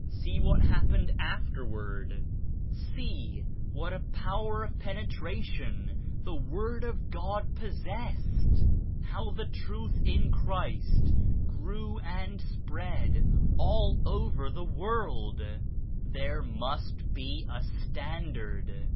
See what hap pened afterward I See what a power of penetra tion the Word of God possessed I How the Truth in Christ grew and spread all over the world I There must be a Standard.